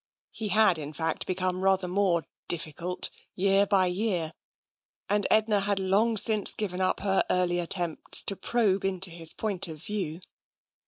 He had, in fact, become rather more " difficult " year by year, and Edna had long since given up her early attempts to probe into his point of view.